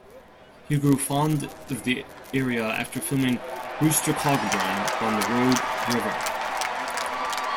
He grew fond of the area after filming "Rooster Cogburn" along the Rogue River.